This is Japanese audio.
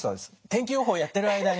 天気予報をやってる間に。